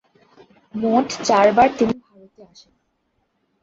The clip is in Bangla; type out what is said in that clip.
মোট চারবার তিনি ভারতে আসেন।